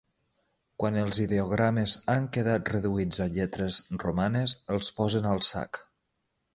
Quan els ideogrames han quedat reduïts a lletres romanes els posen al sac.